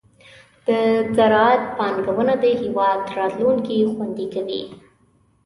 د زراعت پانګونه د هېواد راتلونکې خوندي کوي.